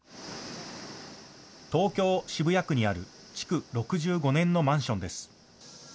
東京・渋谷区にある築６５年のマンションです。